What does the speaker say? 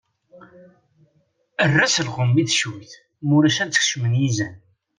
Err-as lɣem i tecuyt mulac ad t-kecmen yizan.